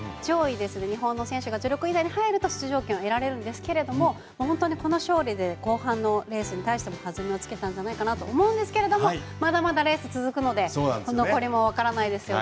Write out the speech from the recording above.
上位ですね日本の選手が１６位以内に入ると出場権を得られるんですけれども本当にこの勝利で後半のレースに対しても弾みをつけたんじゃないかなと思うんですけれどもまだまだレース続くのでこれもわからないですよね。